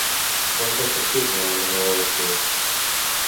Quan va sortir-ne una nova versió?